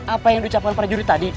apa yang dicapal para juri tadi